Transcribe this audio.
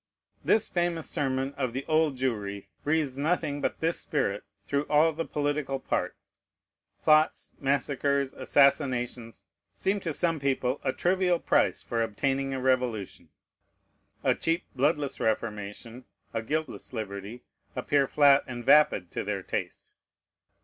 This famous sermon of the Old Jewry breathes nothing but this spirit through all the political part. Plots, massacres, assassinations, seem to some people a trivial price for obtaining a revolution. A cheap, bloodless reformation, a guiltless liberty, appear flat and vapid to their taste.